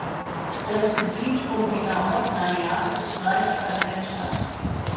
Das Gebiet um die Narodnaja ist leicht vergletschert.